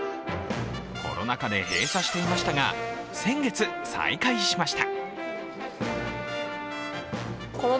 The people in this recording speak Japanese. コロナ禍で閉鎖していましたが先月、再開しました。